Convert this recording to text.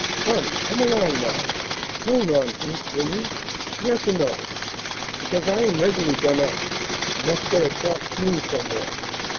Come, come along now, no nonsense will you? yes or no? because I am regularly done up, and must get a short snooze somewhere.